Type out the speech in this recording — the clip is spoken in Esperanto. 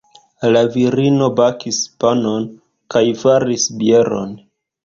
La virino bakis panon kaj faris bieron.